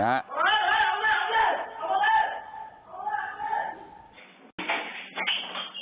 ลุยลงต่อสิ